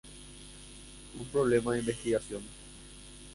Un problema de investigación.